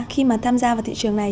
khi mà tham gia vào thị trường này